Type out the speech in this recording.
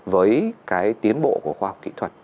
với cái tiến bộ của khoa học kỹ thuật